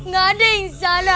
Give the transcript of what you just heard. gak ada yang salah